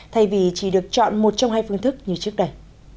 thay vì chỉ được chọn một trong hai phương thức như trước đây